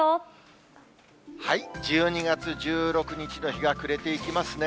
１２月１６日の日が暮れていきますね。